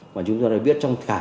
mà chúng ta đã biết trong cả